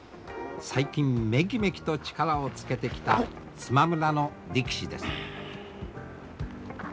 最近メキメキと力をつけてきた都万村の力士です。